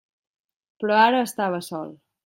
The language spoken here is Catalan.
Però ara estava sol.